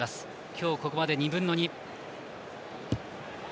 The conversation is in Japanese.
今日ここまで２分の２。